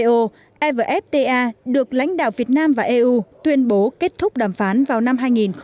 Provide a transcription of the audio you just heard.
sau đó evfta được lãnh đạo việt nam và eu tuyên bố kết thúc đàm phán vào năm hai nghìn một mươi năm